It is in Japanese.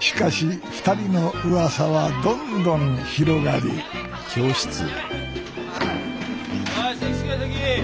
しかし２人のうわさはどんどん広がりおい席に着け席！